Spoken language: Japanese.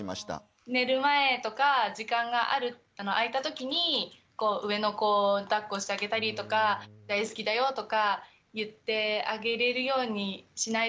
寝る前とか時間が空いたときに上の子をだっこしてあげたりとか大好きだよとか言ってあげれるようにしないとなって思いました。